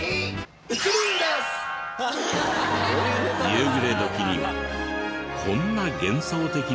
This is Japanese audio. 夕暮れ時にはこんな幻想的な光景も。